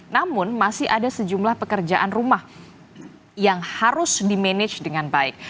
namun masih ada sejumlah pekerjaan rumah yang harus di manage dengan baik